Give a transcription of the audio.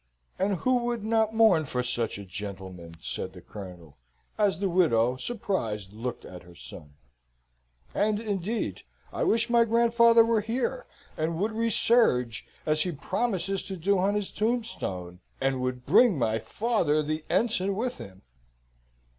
"And who would not mourn for such a gentleman?" said the Colonel, as the widow, surprised, looked at her son. "And, indeed, I wish my grandfather were here, and would resurge, as he promises to do on his tombstone; and would bring my father, the Ensign, with him."